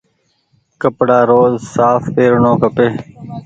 ڪپڙآ روز ساڦ پيرڻو کپي۔